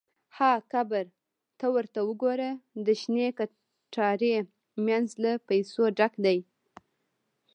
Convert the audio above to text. – ها قبر! ته ورته وګوره، د شنې کتارې مینځ له پیسو ډک دی.